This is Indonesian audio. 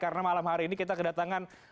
karena malam hari ini kita kedatangan